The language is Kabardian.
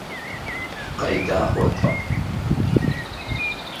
КъедаӀуэ-тӀэ.